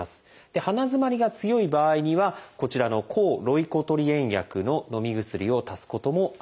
鼻づまりが強い場合にはこちらの抗ロイコトリエン薬ののみ薬を足すこともあります。